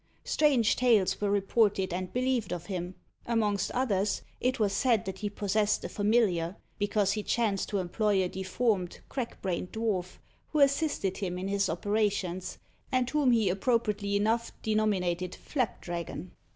Strange tales were reported and believed of him. Amongst others, it was said that he possessed a familiar, because he chanced to employ a deformed, crack brained dwarf, who assisted him in his operations, and whom he appropriately enough denominated Flapdragon.